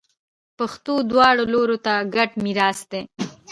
پښتو دواړو لورو ته ګډ میراث دی.